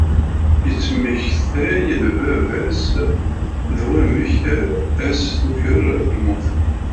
Yettmektay-d baba-s d wamk i as-tuker lmut.